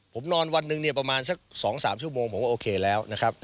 ผมนอนวันหนึ่งเนี่ยประมาณสัก๒๓ชั่วโมงผมก็โอเคแล้วนะครับ